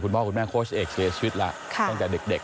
คุณพ่อคุณแม่โค้ดเอกเจยชีวิตแล้วค่ะตั้งแต่เด็กเด็ก